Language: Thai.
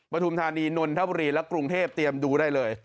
ทุมธานีนนทบุรีและกรุงเทพเตรียมดูได้เลย